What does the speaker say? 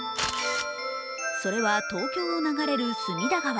それは東京を流れる隅田川。